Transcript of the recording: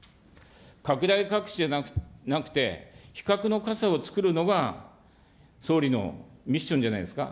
拡大かくしじゃなくて、非核の傘を作るのが、総理のミッションじゃないですか。